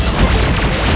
aku tidak mau